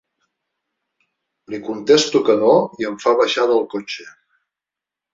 Li contesto que no i em fan baixar del cotxe.